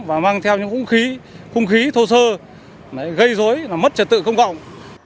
và mang theo những khung khí thô sơ gây xối mất trật tự công cộng